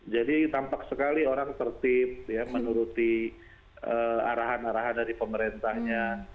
jadi tampak sekali orang tertib menuruti arahan arahan dari pemerintahnya